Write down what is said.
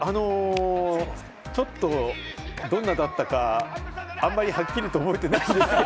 ちょっとどんなだったか、あまりはっきりと覚えていないです。